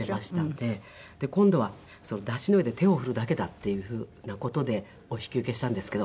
で今度は山車の上で手を振るだけだっていうふうな事でお引き受けしたんですけど。